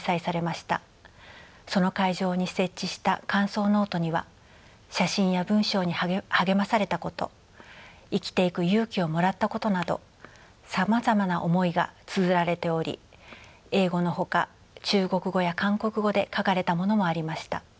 その会場に設置した感想ノートには写真や文章に励まされたこと生きていく勇気をもらったことなどさまざまな思いがつづられており英語のほか中国語や韓国語で書かれたものもありました。